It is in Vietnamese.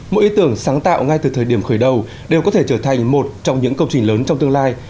mỗi ý tưởng sáng tạo ngay từ thời điểm khởi đầu đều có thể trở thành một trong những công trình lớn trong tương lai